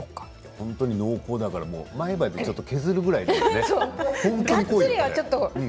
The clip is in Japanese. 本当に濃厚だから前歯でちょっと削るぐらいでいいね。